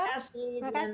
terima kasih ibu diana